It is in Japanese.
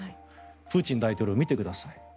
プーチン大統領を見てください。